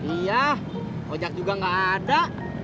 iya ojek juga nggak ada